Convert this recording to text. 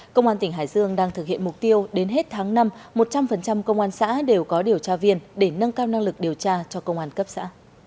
công an tỉnh hải dương đang thực hiện mục tiêu đến hết tháng năm một trăm linh công an xã đều có điều tra viên để nâng cao năng lực điều tra cho công an cấp xã